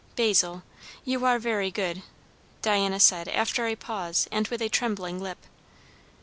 "Basil you are very good!" Diana said after a pause and with a trembling lip.